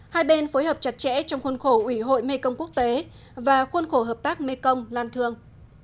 hai bên phối hợp chặt chẽ trong khuôn khổ ủy hội mekong quốc tế và khuôn khổ hợp tác mekong lan thương